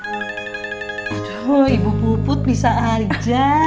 oh ibu puput bisa aja